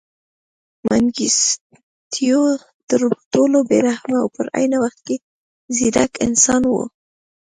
منګیسټیو تر ټولو بې رحمه او په عین وخت کې ځیرک انسان و.